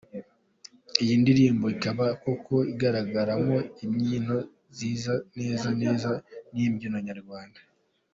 Iyi ndirimbo ikaba koko igaragaramo imbyino zisa neza neza n’imbyino Nyarwanda.